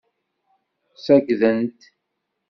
Ssaggden-t.